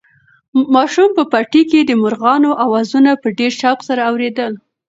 ماشوم په پټي کې د مرغانو اوازونه په ډېر شوق سره اورېدل.